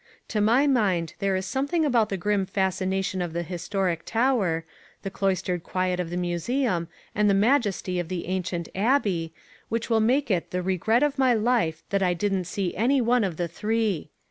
To my mind there is something about the grim fascination of the historic Tower, the cloistered quiet of the Museum and the majesty of the ancient Abbey, which will make it the regret of my life that I didn't see any one of the three.